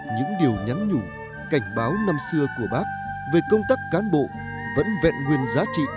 những điều nhắn nhủ cảnh báo năm xưa của bác về công tác cán bộ vẫn vẹn nguyên giá trị